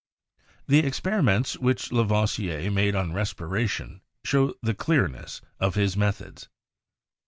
The experiments which Lavoisier made on respiration show the clearness of his methods.